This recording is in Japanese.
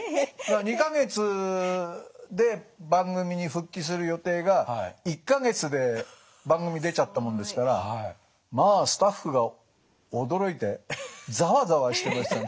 ２か月で番組に復帰する予定が１か月で番組に出ちゃったもんですからまあスタッフが驚いてざわざわしてました。